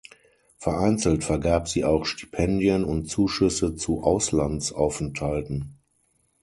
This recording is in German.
Vereinzelt vergab sie auch Stipendien und Zuschüsse zu Auslandsaufenthalten.